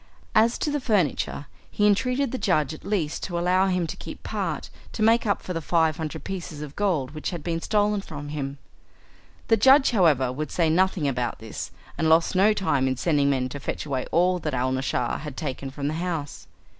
As to the furniture, he entreated the judge at least to allow him to keep part to make up for the five hundred pieces of gold which had been stolen from him. The judge, however, would say nothing about this, and lost no time in sending men to fetch away all that Alnaschar had taken from the house.